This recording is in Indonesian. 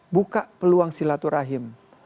buka peluang silaturahim